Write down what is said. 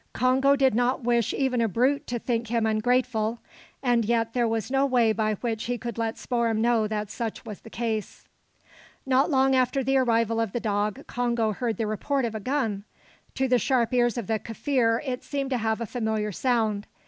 Congo did not wish even a brute to think him ungrateful, and yet there was no way by which he could let Spoor'em know that such was the case. Not long after the arrival of the dog, Congo heard the report of a gun. To the sharp ears of the Kaffir it seemed to have a familiar sound.